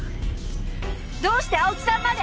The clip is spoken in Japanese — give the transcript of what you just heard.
どうして青木さんまで！